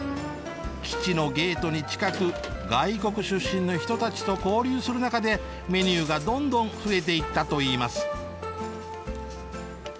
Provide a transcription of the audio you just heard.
基地のゲートに近く外国出身の人たちと交流する中でメニューがどんどん増えていったといいます。